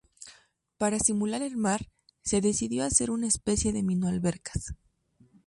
Para simular el mar, se decidió hacer una especie de mini-albercas.